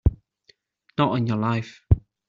Not on your life!